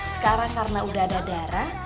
sekarang karena udah ada darah